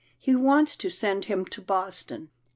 He wants to send him to Boston."